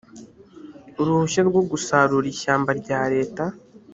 uruhushya rwo gusarura ishyamba rya leta